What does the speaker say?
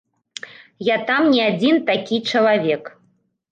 Я там не адзін такі чалавек.